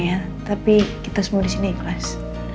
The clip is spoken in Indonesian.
ya tapi kita semua disini ikhlas